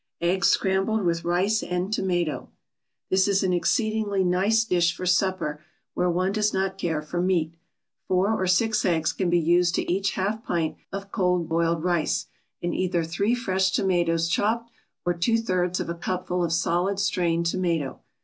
EGGS SCRAMBLED WITH RICE AND TOMATO This is an exceedingly nice dish for supper where one does not care for meat. Four or six eggs can be used to each half pint of cold boiled rice, and either three fresh tomatoes, chopped, or two thirds of a cupful of solid strained tomato.